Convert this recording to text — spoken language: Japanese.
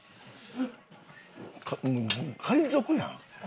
海賊やん。